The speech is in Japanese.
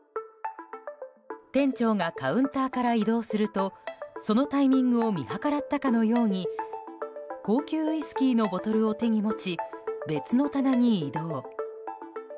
店長がカウンターから移動するとそのタイミングを見計らったかのように高級ウイスキーのボトルを手に持ち別の棚に移動。